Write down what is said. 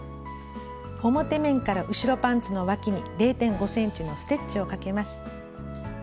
表面から後ろパンツのわきに０．５ｃｍのステッチをかけます。